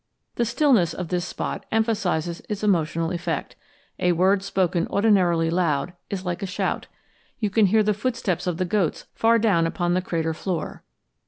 The stillness of this spot emphasizes its emotional effect. A word spoken ordinarily loud is like a shout. You can hear the footsteps of the goats far down upon the crater floor.